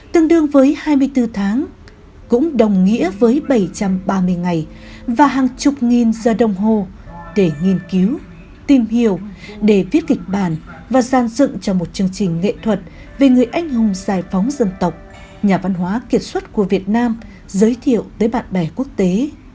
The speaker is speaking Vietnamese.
tương đương với hai mươi bốn tháng cũng đồng nghĩa với bảy trăm ba mươi ngày và hàng chục nghìn giờ đồng hồ để nghiên cứu tìm hiểu để viết kịch bản và gian dựng cho một chương trình nghệ thuật về người anh hùng giải phóng dân tộc nhà văn hóa kiệt xuất của việt nam giới thiệu tới bạn bè quốc tế